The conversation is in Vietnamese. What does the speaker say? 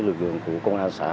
và lực lượng của công an xã